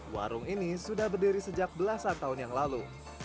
warung ini sudah berdiri sejak belasan tahun yang lalu